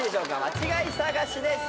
間違い探しです。